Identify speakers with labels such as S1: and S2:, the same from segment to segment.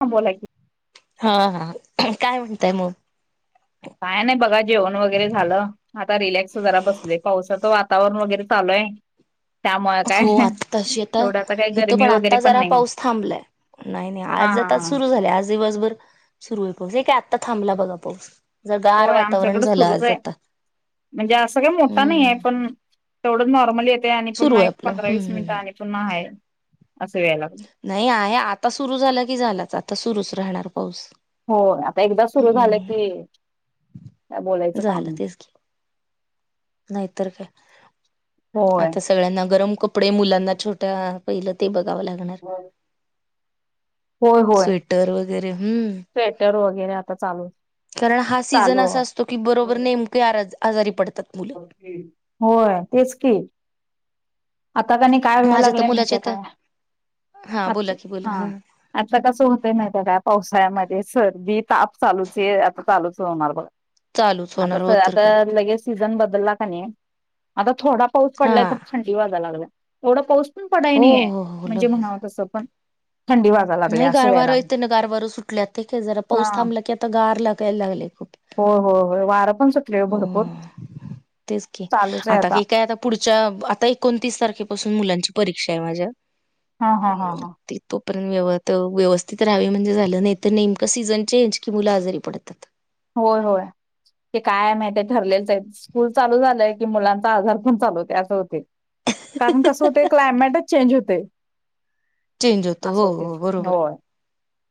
S1: हां बोला की...
S2: हा हा काय म्हणताय मग...
S1: काय नाही बघा जेवण वगैरे झालं तावरून वगैरे चालोय...
S2: हो आ तशी आता
S1: काही
S2: इथं
S1: गरमी
S2: पण
S1: वगैरे
S2: आता जरा
S1: नाही
S2: पाऊस थांबलाय. नाही नाही
S1: हा
S2: आज
S1: हा
S2: आ
S1: हा
S2: सुरू झाले आज दिवसभर सुरू आहे पाऊस हे काय आता थांबला बघा पाऊस.... जर गार
S1: होय
S2: वातावरण
S1: आमच्याकडे
S2: झालं
S1: सुरूच
S2: आज
S1: आहे
S2: आता
S1: म्हणजे असं काय मोठा नाही
S2: हम्म
S1: आहे पण... तेवढं नॉर्मल येते आणि
S2: सुरू
S1: पुन्हा
S2: आहे
S1: एक
S2: आपलं
S1: पंधरा वीस
S2: हम्म
S1: मिनिटं
S2: हम्म
S1: आणि पुन्हा आहे. असं यायला लागलं
S2: नाही आहे आता सुरू झाला की झालाच आता सुरुच राहणार पाऊस....
S1: हो आता एकदा सुरु झालं की,
S2: हम्म
S1: बोलायचं
S2: झालं
S1: काम.
S2: तेच की नाहीतर काय
S1: होय
S2: आता सगळ्यांना गरम कप कपडे मुलांना छोट्या पहिलं ते बघावं लागणार.
S1: होय होय
S2: स्वेटर वगैरे हम्म.
S1: येने आता चालू.
S2: कारण हा सीझन
S1: चालू
S2: असा असतो की बरोबर नेमके आराद आजारी पड
S1: होय तेच की. आता काणी काय व्हायला
S2: माझ्या तर
S1: लागले माहित
S2: मुलाचे
S1: हे
S2: तर
S1: काय
S2: हा बोला की बोला
S1: हा आता कस होत नाही का पावसाळ्यामध्ये सर्दी ताप चालूच आहे आता चालूच होणार बघ.
S2: चालूच
S1: आता
S2: होणार
S1: स
S2: हो तर
S1: आता
S2: काय
S1: लगेच सीझन बदलला का नाही आता थोडा पाऊस पडलाय
S2: हा
S1: तर थंडी वाजाय लागलाये थोडा पाऊस पण पडाय
S2: हो
S1: नाही आहेे
S2: हो हो
S1: म्हणजे
S2: लगेच
S1: म्हणावं तसं पण थंडी वाजायला
S2: नाही
S1: लागल्या असं
S2: गारवार
S1: व्हायला लागलं.
S2: येत ना गारवार सुटल्यात ते का जरा पाऊस थांबला की आता गार लागायला लागले खूप.
S1: हो हो हो वारं पण सुटले
S2: हो
S1: भरपूर
S2: तेच क
S1: चालूच आहे
S2: आता का काय आता पुढच्या आता एकोणतीस तारखेपासून मुलांच्या परीक्षा आहे माझ्या
S1: हा हा हा हा.
S2: ते तो पर्यंत व्य व्यवस्थित राहावी म्हणजे झालं नाही तर नेमकं सीझन चेंज कि मुलं आजारी पडतात.
S1: होय होय. ते काय महित ठरलेच आहे स्कूल चालू झालंय की मुलांचा आजार पण चालू होते असं होते कारण कसं होते क्लायमेटच चेंज होते.
S2: चेंज होतो
S1: असं
S2: हो
S1: होते
S2: हो बरोबर.
S1: होय.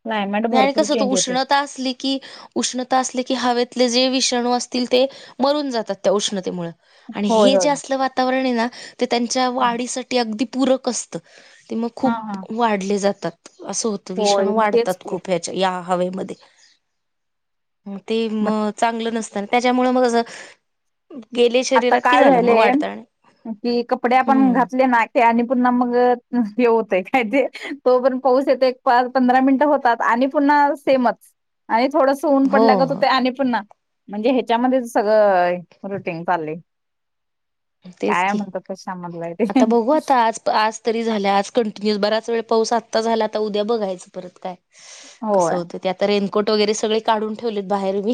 S1: क्लायमेट
S2: नाही आणि
S1: भरपूर
S2: कसं होत
S1: चेंज होते.
S2: उष्णता असली की उष् णता अस की हवेतले जे विषाणू असतील ते मरून जातात त्या उष्णतेमुळे आणि
S1: होय
S2: हे
S1: होय
S2: जे असलं वातावरण आहे ना ते त्यांच्या वाढीसाठी अगदी पूरक असत. ते मग खूप वाढले जातात अस होतविषण
S1: होय मग तेच
S2: वाढतात
S1: की
S2: खूप ह्याच्या या हवेमध्ये ते म
S1: मग
S2: चांगलं नस तर त्याच्यामुळे मग असं गेले
S1: आता
S2: शरीरात की
S1: काय
S2: झालं
S1: व्हाले
S2: मग वाढता आणि
S1: कि कपडे आपण
S2: हम्म
S1: घातले ना आणि पुन्हा मग हे होतय काय ते तो पण पाहस येतो एक पंधरा मिनिटं होतात पुन्हा सेम आणि थोड सवन पडल्या गत हो ते आणि पण म्हणजे ह्याच्यामध्ये सगळं [unintelligible]
S2: तेच
S1: काय
S2: की.
S1: म्हणतात कश्या
S2: आता बघू आता आज आज तरी झाल्या आज कंटिन्युस बराच वेळ पाऊस आत्ता झाला आता उद्या बघायचं परत काय
S1: होय
S2: कसं होतं ते आता रेन फोट वगैरे सगळे काढून ठेवलेत बाहेर मी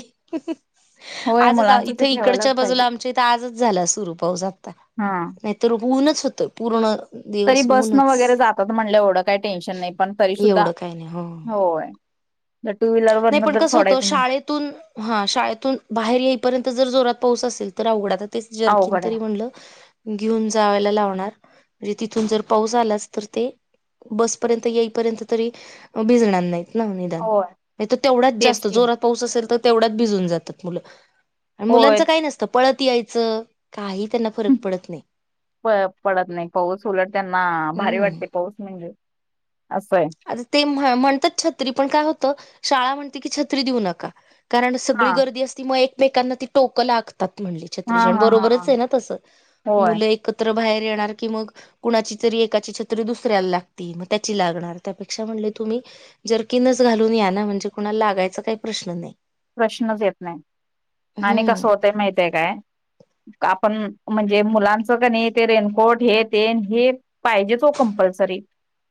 S1: होय
S2: आजच
S1: मुलांच ते
S2: इथे इकडच्या
S1: ठेवायलाच
S2: बाजूला
S1: पाहिजे
S2: आमच्या इथे आजच झाला सुरू
S1: हा
S2: [unintelligible] नाहीतर होऊनच होत पूर्ण
S1: तरी
S2: दिवस
S1: बस न
S2: ऊनच
S1: वगैरे जातात म्हणलं एवढं काही टेन्शन नाही पण तरी सुुद्धा
S2: एवढं काही नाही हो
S1: होय. जर टू व्हीलर
S2: नाही
S1: वरन
S2: पण
S1: जर
S2: कस होत
S1: सोडायचं म्हणा
S2: शाळेतून हा शाळेतून बाहेर येईपर्यंत जर जोरात पाऊस असेल तर अवघडा ते जर्कीन
S1: अवघड आहे.
S2: तरी म्हणलं घेऊन जावायला लावणार म्हणजे तिथून जर पाऊस आलाच तर ते बसपर्यंत येईपर्यंत तरी भिजणार नाहीत निदान
S1: होय.
S2: तर तेवढाच
S1: तेच
S2: जास्त
S1: की
S2: जोरात पाऊस असेल तर तेवढ्याच भिजून जातात मुलं आणि
S1: होय
S2: मुलांचं काय नसतं पळत यायचं काही त्यांना फरक पडत नाही
S1: प पडत नाही पाऊस उलट त्यांना भारी
S2: हम्म
S1: वाटते पाऊस म्हणजे. असंय
S2: आता ते म्हणतात छत्री पण काय होतं शाळा म्हणते की छत्री देऊ नका कारण
S1: हा
S2: सगळी गर्दी असती मग एकमेकांना ती टोकं लाग म्हणता म्हणली
S1: हा
S2: छत्रीजण
S1: हा हा हा.
S2: बरोबरच आहे ना तसं
S1: होय
S2: मुलं एकत्र बाहेर येणार म कुणाची तर एकाची छत्री दुसऱ्याला लागती मग त्याची लागणार. त्यापेक्षा म्हणले तुम्ही जरकीिनच घालून या ना म्हणजे कुणाला लागायचा काही प्रश्न नाही.
S1: प्रश्नच येत नाही आणि कस
S2: हम्म
S1: होतय माहितय काय? पण म्हणजे मुलांचं क नाही ते रेनकोट हे तेन हे पाहिजेच हो कंपल्सरी.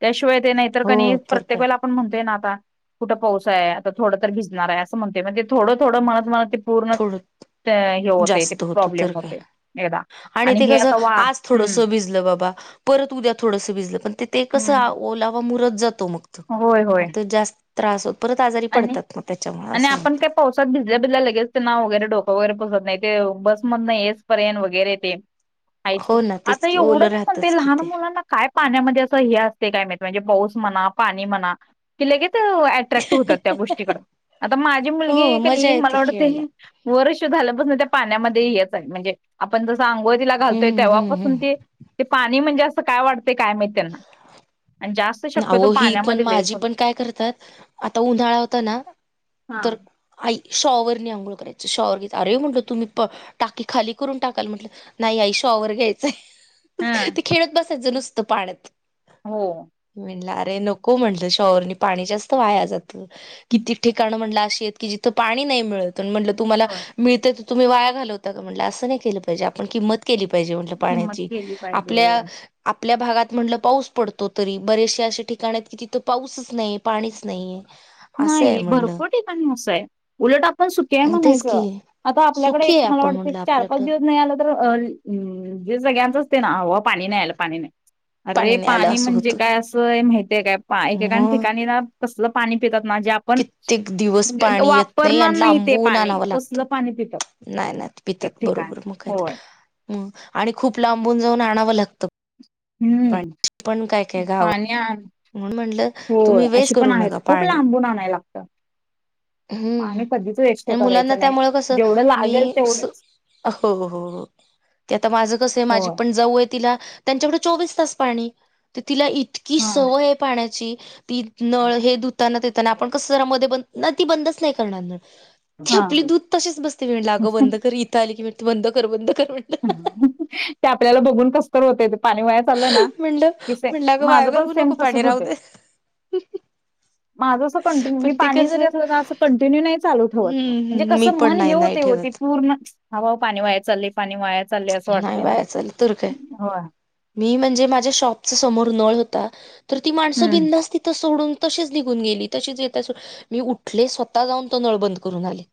S1: त्याशिवाय ते नाही तर क
S2: हो तर
S1: प्रतेक
S2: काय
S1: वेळला आपण म्हणतोय ना आता कुठ पाऊस आहे, आता थोड भिजणार असं म्हण तोय म्हजे थोड थोडं म्हणत म्हणत ते
S2: थोडच
S1: हे होतय ते प्रॉब्लेम होतय एकदा.
S2: आणि ते
S1: हे
S2: कसं
S1: आता वा
S2: आज
S1: हम्म
S2: थोडस भिजलं बाबा परत उद्या थोडस भिजलं पण ते ते कसं
S1: हम्म
S2: ओ लावा मुरत जातो तो
S1: होय
S2: मग
S1: होय
S2: तो जास्त त्रास होतो.
S1: आणि आणि आपण काय पावसात भिजल्या भिजल्या लगेच ना वगैरे डोकं वगैरे पुसत नाही, ते बस मध नाही येस पर्यंत वगैरे ते हायची
S2: हो ना तेच
S1: आता
S2: की ओलं
S1: एवढं म्हणते
S2: राहतच कि
S1: लहान
S2: ते
S1: मुलांना काय पाण्यामध्ये असं हे असते काय माहित? म्हणजे पाऊस मना पाणी म्हणा की लगेच अट्रॅक्ट होतात त्या गोष्टीकड आता माझी
S2: हो
S1: मुलगी
S2: मजा
S1: कनाय
S2: येते
S1: मला
S2: खेळायला
S1: वाटतंय वर्ष झाल्यापासून ते पाण्यामध्ये येत आहे म्हणजे आपण जस अंघोळ तिला घालोय
S2: हम्म हम्म हम्म
S1: तेव्हापासून ते पाणी म्हणजे असं काय वाटत ते काय माहीत त्यांना आणि जास्त शक्यतो
S2: अहो ही पण
S1: पाण्यामध्ये लय
S2: माझी पण काय करतात आता उन्हाळा होता ना तर आई शॉवर ने आंघोळ करायच शॉवर करायचे, अरे म्हटल तुम्ही प टाकी खाली करून टाकाल म्हटलं नाही आई शॉवर घ्यायचय
S1: हा
S2: ते खेळत बसायचं नुसतं पाण्यात.
S1: हो.
S2: ते नको म्हणलं शाँवर ने पाणी जास्त वाया जात कितीक ठिकाण म्हणलं शेत की जिथ पाणी नाही मिळत, म्हटलं तुम्हाला
S1: होय
S2: मिळते तर तुम्ही वाया घालवता का म्हणलं आस नाय केलं पाहिजे किंमत म्हणजे पाण्याची केली पाहिजेल
S1: किंमत
S2: पाण्याची
S1: केली पाहिजे
S2: आपल्या
S1: होय
S2: आपल्या आपल्या भागात म्हणलं पाऊस पडतो, तरी बरेचसे अशे ठिकाण आहेत की तिथं पाऊसच नाहीये पाणीच नाहीये. असं आहे
S1: नाही
S2: म्हणलं
S1: भरपूर ठिकाणी असंय उलट आपण सुक्या आहे
S2: तेच की
S1: म्हणायचं. आता आपल्याकडे एक
S2: सुखी आहे
S1: मला
S2: आपण
S1: वाटतं
S2: म्हणलं
S1: चार पाच
S2: आपल्याकडं
S1: दिवस नाहीआल तर जे सगळ्यांचच ते ना हव पाणी नाही आलं पाणी नाही. अरे
S2: नाही आलं
S1: पाणी
S2: असं
S1: म्हणजे
S2: होतं
S1: काय असं माहितय काय एक एका
S2: मग
S1: ठिकाणी ना कसलं पाणी पितात ना जे आपण
S2: कित्येक दिवस
S1: ग
S2: पाणी येत नाही,
S1: वापरणार
S2: आणि
S1: ते
S2: लांबून
S1: पाणी
S2: आणावं लागतं.
S1: तसलं पाणी पितात
S2: नाही नाही
S1: एक
S2: पितात
S1: ठिकाणी
S2: बरोबर म काय
S1: होय
S2: तर! आणि खूप लांबून जाऊन आणावं लागतं.
S1: हम्म.
S2: पाणी पण काय काय गाव
S1: पाणी आण,
S2: म्हणून म्हटलं तुम्ही
S1: होय
S2: वेस्ट
S1: अशी पण
S2: करू
S1: आहे
S2: नका
S1: खूप
S2: पाणी
S1: लांबून आणायलागत. [inaudible]
S2: हम्म ह्या मुलांना
S1: करायचं नाही
S2: त्यामुं कसं
S1: जेवढं
S2: मी
S1: लागेल तेवढंच
S2: हो हो ते आता माझं कसं आहे
S1: हो
S2: माझी पण जाऊय तिला त्यांच्या कडे चोवीस तास पाणी तर तिला इतकी
S1: हा
S2: सवय आहे पाण्याची! ती नळ हे धुतानाताना आपण कस जरा मध्ये ब ती बंदच नाही करणार नळ. ते
S1: हा
S2: आपले दूध तसेच बसते, आग बंद कर इथं आली की बंद कर बंद कर. म्हटलं
S1: ते आपल्याला बघून कसततरी होत. पाणी वया चाललंय ना
S2: म्हणलं
S1: की
S2: म्हणलं
S1: सेमा
S2: अगं वाया
S1: माझं पण
S2: घालवू
S1: सेम
S2: नको पाणी
S1: तसच
S2: राहू
S1: होत.
S2: दे.
S1: माझं अस कंटिन्यू मी
S2: पण ते
S1: पाणी जरी
S2: कसं
S1: असलं ना अस कंटिन्यू नाही चाल होय म्हणजे
S2: हम्म मी
S1: कसं
S2: पण
S1: मन हे
S2: नाही
S1: हो
S2: नाही
S1: ते हो ते
S2: ठेवत.
S1: पूर्ण हव पाणी वाया चाले पाणी वाया! चाललंय असं
S2: नाही
S1: वाटतंय ना.
S2: बाया चल तरु काय?
S1: होय.
S2: मी म्हणजे माझ्या शॉपचा समोर नळ होता तर ती माणसं
S1: हम्म.
S2: बिंधास्त तिथं सोडून तशीच निघून गेली तशीच येत मी उठले स्वतः जाऊन तो नळ बंद करून आले.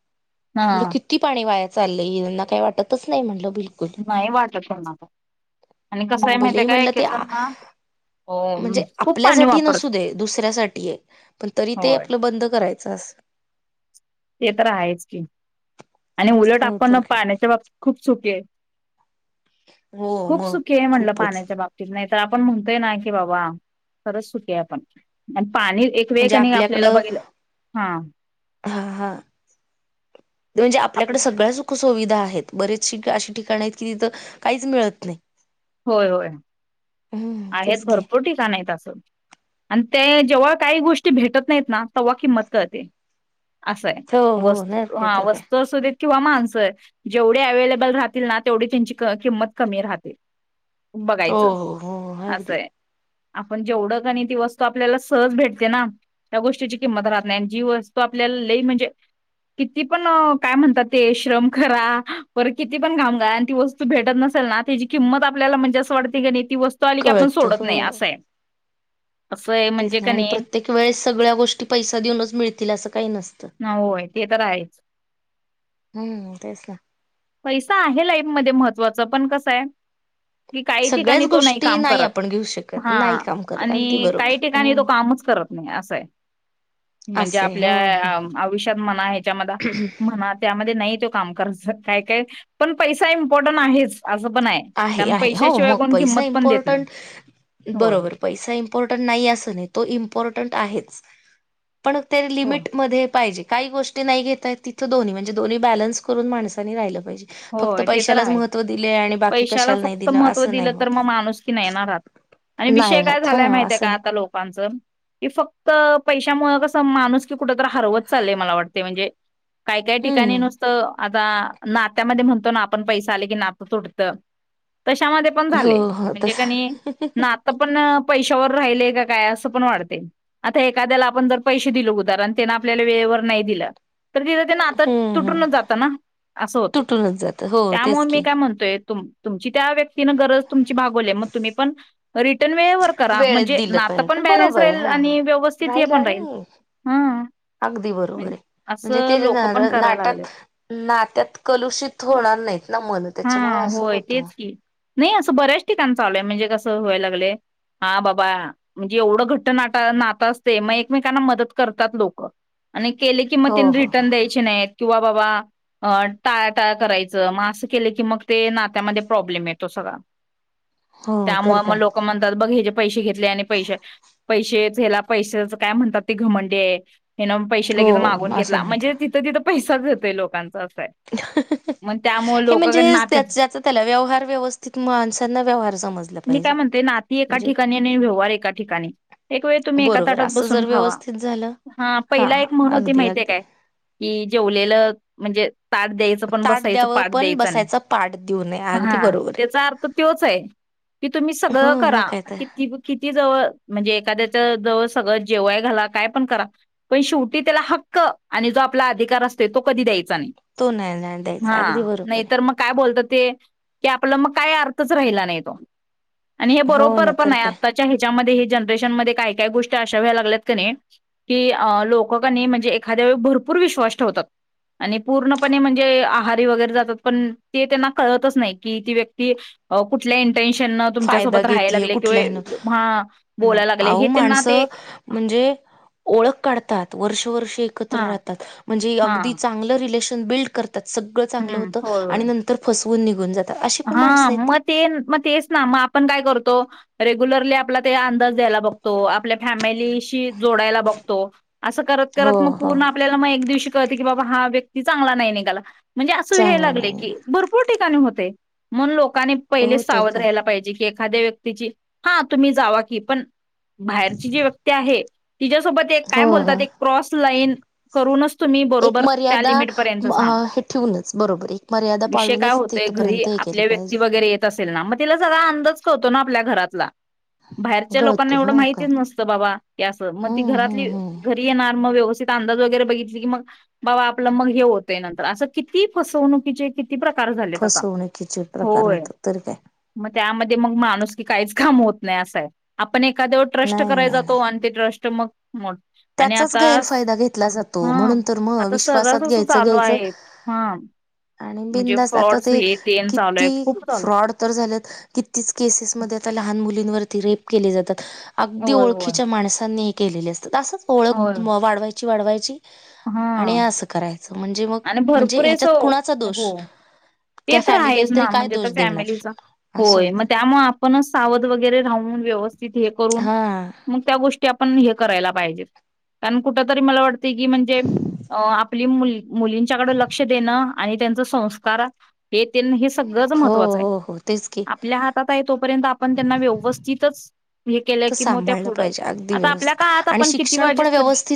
S2: म्हणल
S1: हा.
S2: किती पाणी वाया चाललंय त्यांना काही वाटतच नाही म्हटलं बिलकुल.
S1: नाही वाटत पनाता आणि कसं आहे माहिती आहे
S2: भलेही
S1: काय
S2: म्हटलं
S1: एके
S2: ते
S1: जणना
S2: म्हणजे आपल्यासाठी नसू दे दुसऱ्यासाठी पण तरी ते
S1: होय.
S2: आपलं बंद करायचं अस
S1: ते तर आहेच की आणि उलट
S2: हो
S1: आपण
S2: तर काय
S1: पाहण्याच्या बाबतीत खूप सुखे
S2: हो
S1: खूप
S2: मग
S1: सुखे आहे म्हणलं
S2: खूपच
S1: पाण्याच्या बाबतीत नाही तर आपण म्हणतोय ना की बाबा खरंच सुके आहे आपण पाणी एक वेळ
S2: म्हणजे
S1: कनी आपल्याला
S2: आपल्याकडं
S1: बघितलं हा
S2: हा हा ते म्हणजे
S1: आप
S2: आपल्याकडे सगळ्या सुखसुविधा आहेत बरेच अशी ठिकाण आहेत की तिथं काहीच मिळत नाही
S1: होय होय
S2: हम्म
S1: आहेत
S2: तेच की
S1: भरपूर ठिकाण आहेतं आणि ते जेव्हा काही गोष्टी भेटत नाहीत ना तेव्हा किंमत करते असं आहे
S2: हो हो नाही
S1: वस्त
S2: काय
S1: हा
S2: तर काय.
S1: वस्तू सुध किंवा माणसं जेवढे अवे्हेलेबल राहतील ना तेवढी त्यांची किंमत कमी राहतील
S2: हो
S1: बघायचं
S2: हो हो अगदी
S1: असंय आपण जेवढं का नाही ती वस्तू आपल्याला सहज भेटते ना त्या गोष्टीची किंमत राहत नाही आणि जी वस्तू आप आपल्याला लई म्हणजे किती पण काय म्हणतात ते श्रम करा परर किती पण काामगा आणि ती वस्तू भेटत नसते त्याची किंमत आपल्याला म्हणजे असं वाटते की नाही ती वस्तू आली की आपण
S2: कळत
S1: सोडत
S2: हो.
S1: नाही असंय
S2: तेच नाही आणि प्रत्येक वेळेस सगळ्या गोष्टी पैसा देऊनच मिळतील असं काही नसतं
S1: होय, ते तर आहेच
S2: हम्म तेच ना
S1: पैसा आहे लाईफमध्येध्ये महत्वाचा पण कसं आहे कि काही ठिकाणी
S2: सगळ्याच
S1: तो नाही
S2: गोष्टी
S1: काम
S2: आपण घेऊ
S1: करत
S2: शकत
S1: हा
S2: नाही काम करत अगदी
S1: आणि
S2: बरोबर.
S1: काही ठिकाणी तो
S2: हम्म.
S1: कामच करत नाही असंय म्हणजे
S2: असे हो
S1: आपल्या
S2: हो
S1: आयुष्यात म्हणा ह्याच्यामध्ये म्हणा त्यामध्ये नाही का काय काय पण प इम्पर् आहे
S2: आहे
S1: कारण
S2: आहे हो
S1: पैशाशिवाय
S2: मग
S1: कोण
S2: पैसा
S1: किंमत पण देत नाही.
S2: इम्पॉर्टंट
S1: होय.
S2: बरोबर पैसा इम्पॉर्टंट नाही असं नाही तो इम्पॉर्टंट आहे पण त्या
S1: हो
S2: लिमिट मध्ये पाहिजे काही गोष्टी नाही घेत आहेत तिथं दोन्ही म्हणजे दोन्ही बलन्स करून माणसानी राहिलं फक्त पैशलाच महत्व दिलेय आणि बाकी
S1: देशाला
S2: कशाला नाही
S1: फक्त
S2: दिलं
S1: महत्व
S2: असं नाही
S1: दिलं तर
S2: होत.
S1: मग माणूस की नाहीेणारहात आणि
S2: नाही
S1: विषय काय
S2: राहत
S1: झालाय
S2: हा
S1: माहिती आहे
S2: असं
S1: का
S2: नाही.
S1: आता लोकांचं की फक्त पैशामुळेळ कसं माणूस की कुठ तर हरवत चालय मला वाटते म्हणजे काय काय ठिकाणी
S2: हम्म
S1: नुसतं आता नात्यामध्ये म्हणतो ना आपण पैसे आले की नातं तुटत तशामध्ये पण
S2: हो
S1: झाले
S2: हो
S1: म्हणजे
S2: तस
S1: काणी ना आता पण पशावर राहि काय अस पण वा ए्या आपण पै दि आपल्या नाही दि तर तिथ त्यांना आता
S2: हम्म हम्म
S1: तुटूनच जात ना अस होते
S2: तुटूनच जात हो तेच
S1: त्यामुळे मी
S2: की
S1: काय म्हणतोय तुम तुमची त्या व्यक्ती ग तुम् वरा
S2: वेळेत दिलं पाहिजे बरोबर आहे
S1: म्हणण
S2: हा.
S1: आणि व्यवस्थित हे
S2: राहिलं
S1: पण राहील
S2: आणि
S1: हा
S2: अगदी बरोबर आहे म्हणजे
S1: असं
S2: ते
S1: लोक
S2: नाट
S1: पण करायला लागलेत.
S2: नात्यात कर प्रलुषित होणार नाहीत ना मन त्याच्यामुळे
S1: हा
S2: असं
S1: होय
S2: होतं
S1: तेच की नाही असं बऱ्याच ठिकाण चालूय म्हणजे कसं व्हाय लागले हा बाबा म्हणजे एवढं घट्ट नाट नातं असते मग एकमेकांना मदत करतात लोकं आणि केले की मग
S2: हो
S1: तिने
S2: हो
S1: रिटर्न
S2: हो
S1: द्यायचे नाही किंवा बाबा अ टाळा टाळ करायचं मग असं केलं की मग ते नात्यामध्ये प्रॉब्लेम येतो सगळा
S2: हो तर
S1: त्यामुळे मग
S2: काय
S1: लोक म्हणतात बघ ह पैसे घेतले आणि पैश पैसेला पैशाच काय म्हणतात ते घमंडी हे नाग पैसे
S2: हो
S1: लगेच मागून
S2: असं
S1: घेतला
S2: म्हणतात.
S1: म्हणजे तिथं तिथं पैसाच येतोय लोकांचा असं आहे
S2: [unintelligible]
S1: मग त्यामुळे
S2: हे
S1: लोक
S2: म्हणजे त्या
S1: नात्यात
S2: ज्याचा त्याला व्यवहार व्यवस्थित माणसांना व्यवहार समजला पाहिजे
S1: ते नाती एका
S2: म्हणजे
S1: ठिकाणी आणि व्यवहार एका ठिकाणी एक वेळ तुम्ही एका
S2: बरोबर
S1: ताटात
S2: असं जर
S1: बसून खावा
S2: व्यवस्थित झालं
S1: हा पहिला
S2: हा
S1: एक म्हण होती
S2: अगदी
S1: माहितीये
S2: अगदी
S1: काय कि जेवलेलं म्हणजे ताट द्यायच पण
S2: ताट
S1: बसायच
S2: द्यावं
S1: पाट
S2: पण
S1: द्यायचा नाही
S2: बसायचा पाठ देऊ नये अगदी
S1: हा
S2: बरोबर आहे
S1: त्याचा अर्थ त्योच आहे कि तुम्ही सगळं
S2: हो मग
S1: करा
S2: काय तर
S1: किती किती जवळ म्हणजे एखाद्याच्या जवळ सगळं जेवाय घाला काय पण करा पण शेवटी त्याला हक्क आणि जो आपला अधिकार असो तो कधी द्यायचा नाही
S2: तो नाही नाही द्यायचा
S1: हा
S2: अगदी बरोबर
S1: नाही तरर
S2: आहे
S1: मग काय बोलत ते की आपला मग काय अर्थच राहिला नाही तो आणि हे
S2: हो
S1: बरोबर
S2: ना
S1: पण
S2: तर
S1: आहे
S2: काय
S1: आताच्या ह्याच्यामध्ये हे जनरेशन मध्ये काय काही गोष्टी अशा व्हाया लागल्यात का नाय की अं लोकं की नय म्हणजे एखाद्यावर भरपूर विश्वास ठेवतात. आणि पूर्णपणे म्हण जे आहारी वगैरे जातात पण ते त्यांना कळतंच नाही की ती व्यक्ती कुठल्या इन टेन्शनं ना
S2: फायदा
S1: तुमच्यासोबत राहायला
S2: घेतेय
S1: लागले
S2: कुठल्यान
S1: किवा हं.. बोलायला लागले हे त्यांना ते
S2: हेओळख काढतात वर्ष वर्ष ते एकत्र
S1: हा
S2: राहतात म्हणजे
S1: हा
S2: अगदी चांगलं रिलेशन बिल्ड करत त सगळं चांगलं
S1: हम्म
S2: होतं आणि नंतर फसवून निघून जात
S1: हा-मग-ते-मग तेच-ना पण काय करतो रेग्युलरली आपला त्याला अंदाज द्यायला बघतो आपल्या फॅमिली शी की जोडायला बघतो अस करत
S2: हो
S1: करत मग
S2: हो
S1: पूर्ण आपल्याला म एक दिवशी कळतं की बाबा हा व्यक्ती चांगला नाही निघाला म्हणजे असे हे
S2: चांगला
S1: लागलय
S2: नाही
S1: की
S2: निघाला.
S1: भरपूर ठिकाणी होतंय. म्हणून लोकांनी
S2: हो
S1: पहिलेच
S2: तर
S1: सावध
S2: काय
S1: राहायला पाहिजे की एखाद्या व्यक्तीची हा तुम्ही जावा की पण बाहेरची जी व्यक्ती आहे तिच्यासोबत एक
S2: हो
S1: काय
S2: हो.
S1: बोलतात एक क्रॉस लाईन करूनच तुम्ही
S2: एक
S1: बरोबर त्या
S2: मर्यादा
S1: लिमिट
S2: म-
S1: पर्यंतच हां
S2: अ, हे ठेवूनच बरोबर एक मर्यादा
S1: विषय काय
S2: पाळूनच
S1: होतोय घरी
S2: तिथपर्यंत हे केलं
S1: आपल्या व्यक्ती
S2: पाहिजे
S1: वगैरे येत असेल ना मग तिला जरा अंदाज कळतो ना आपल्या घरातला
S2: [unintelligible]
S1: बाहेरच्या लोकांना
S2: गळतो
S1: एवढं
S2: मग काय
S1: माहितीच नसतं बाबा की असं मग ती
S2: हम्म हम्म
S1: घरातली
S2: हम्म
S1: घरी येणार मग [unintelligible] अंदाज वगैरे बघितली की मग बाबा आपलं मग हे होतंय नंतर असं किती फसवणुकीचे किती प्रकार झालेत आता
S2: च [unintelligible] प्रकार
S1: होय
S2: होतात तर काय
S1: मग त्यामध्ये मग माणूस की काहीच काम होत नाही असंय आपण एखाद्यावर ट्रस्ट
S2: नाही
S1: कराया
S2: नाही नाही
S1: जातो आणि ते ट्रस्ट तर मग मो- आणि
S2: त्याचाच
S1: आता
S2: गैरफायदा घेतला जातो
S1: हा
S2: म्हणून तर मग
S1: आता सर्रास
S2: विश्वासात
S1: असं
S2: घ्यायचं
S1: चालू
S2: घ्यायचं
S1: आहे हा
S2: आणि
S1: म्हणजे
S2: बिंदास आता
S1: फ्रॉड्स
S2: ते
S1: हे तेन चालू आहे
S2: किती
S1: खूप चालू आहे
S2: फ्रॉड तर झालेत कितीच केसेसमध्ये आता लहान मुलींवरती रेप केले जातात, अगदी
S1: होय होय
S2: ओळखीच्या माणसांनी हे केलेले असतात असं ओळख
S1: होय
S2: वाढवायची वाढवाय
S1: हा
S2: म्हणजे मग
S1: आणि
S2: म्हणजे
S1: भरपूर अस
S2: ह्याच्यात कुणाचा दोष
S1: हो ते
S2: त्या
S1: तर
S2: फॅमिलीला
S1: आहेच
S2: तरी
S1: ना
S2: काय
S1: म्हणजे तर
S2: दोष देणार
S1: फॅमिलीचा
S2: असं
S1: होय मग
S2: होतं
S1: त्यामुळे आपणच सावध वगैरे राहून व्यवस स्थित हे करून
S2: हा
S1: मग त्या गोष्टी आप पण हे करायला पाहिजेत, कारण कुठे तरी मला वाटतंय की अ आपली मुल-मुलींच्याकडे लक्ष देणं आणि त्यांच संस्कार हे तेन हे सगळंच
S2: हो
S1: महत्त्वाचं आहे
S2: हो हो तेच की
S1: आपल्या हातात आहे तोपर्यंत आपण त्यांना व्यवस्थितच हे केलं
S2: तर
S1: की मग त्या
S2: सांभाळलं
S1: पुढं
S2: पाहिजे अगदी
S1: आता आपल्या
S2: व्यवस्थित
S1: का आत
S2: आणि
S1: आपण किती
S2: शिक्षण पण
S1: वाजेसपर्य
S2: व्यवस्थित